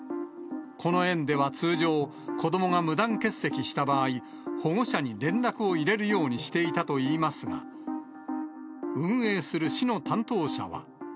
この園では通常、子どもが無断欠席した場合、保護者に連絡を入れるようにしていたといいますが、運営する市の担当者は。